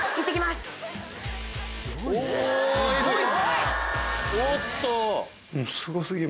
すごいな。